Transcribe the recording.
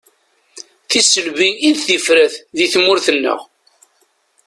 Tisselbi i d tifrat di tmurt-nneɣ.